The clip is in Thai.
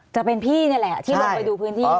จะเป็นพี่นี่แหละที่ลงไปดูพื้นที่